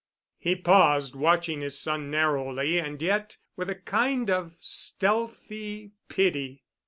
He paused, watching his son narrowly and yet with a kind of stealthy pity.